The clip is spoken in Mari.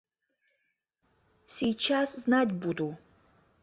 Сийчас знать буду!